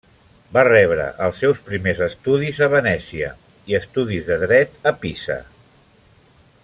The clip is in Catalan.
Va rebre els seus primers estudis a Venècia i estudis de Dret a Pisa.